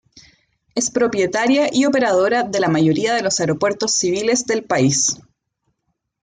Es propietaria y operadora de la mayoría de los aeropuertos civiles del país.